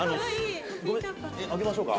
あげましょうか。